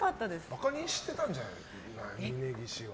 バカにしてたんじゃないの峯岸は。